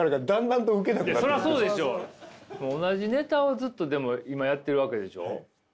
同じネタをずっとでも今やってるわけでしょ？